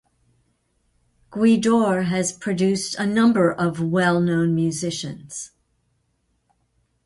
Gweedore has produced a number of well-known musicians.